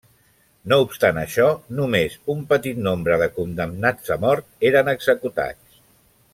No obstant això, només un petit nombre de condemnats a mort eren executats.